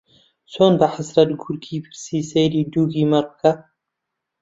چۆن بە حەسرەت گورگی برسی سەیری دووگی مەڕ بکا